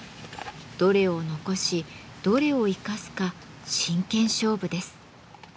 どれを残しどれを生かすか真剣勝負です。